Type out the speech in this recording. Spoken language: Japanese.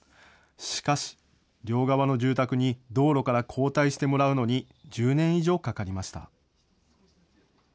しかし、両側の住宅に道路から後退してもらうのに１０年以上かかりました。